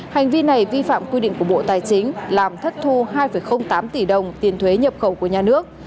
hành vi này vi phạm quy định của bộ tài chính làm thất thu hai tám tỷ đồng tiền thuế nhập khẩu của nhà nước